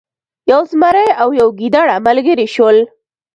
یو زمری او یو ګیدړه ملګري شول.